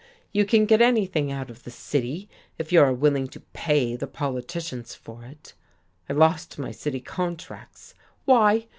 You can get anything out of the city if you are willing to pay the politicians for it. I lost my city contracts. Why?